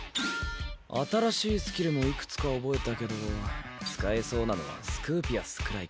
新しいスキルもいくつか覚えたけど使えそうなのは「スクーピアス」くらいか。